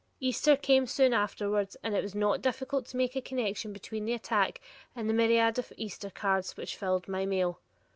Easter came soon afterwards, and it was not difficult to make a connection between the attack and the myriad of Easter cards which filled my mail.